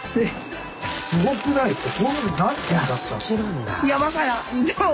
すごくないですか？